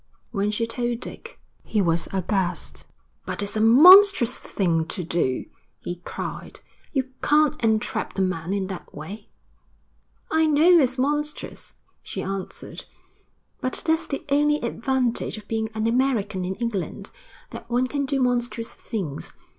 When she told Dick, he was aghast. 'But it's a monstrous thing to do,' he cried. 'You can't entrap the man in that way.' 'I know it's monstrous,' she answered. 'But that's the only advantage of being an American in England, that one can do monstrous things.